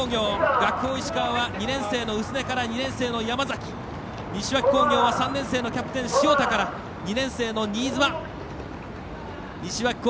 学法石川は、２年生の薄根から２年生の山崎西脇工業は３年生のキャプテン塩田から２年生に新妻。